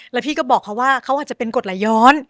แล้วพี่ก็บอกเขาว่าเขาอาจจะเป็นกฎไหลย้อน